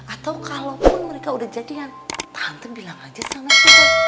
atau kalaupun mereka udah jadian tante bilang aja sama kita